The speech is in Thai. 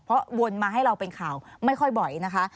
เพราะวนมาให้เราเป็นข่าวไม่ค่อยบ่อยนะคะ